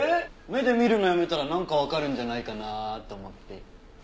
目で見るのをやめたらなんかわかるんじゃないかなと思って。